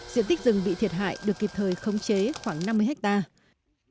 diện tích rừng bị thiệt hại được kịp thời khống chế khoảng năm mươi hectare